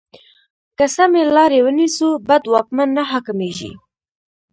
که سمې لارې ونیسو، بد واکمن نه حاکمېږي.